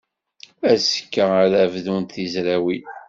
Azekka ara bdunt tezrawin.